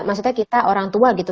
maksudnya kita orang tua gitu